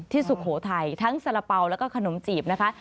สุโขทัยทั้งสารเป๋าแล้วก็ขนมจีบนะคะ